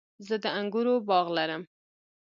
زه د انګورو باغ لرم